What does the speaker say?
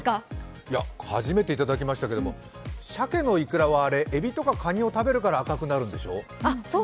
初めていただきましたけどさけのイクラはえびとかかにを食べるから赤くなるんでしょ？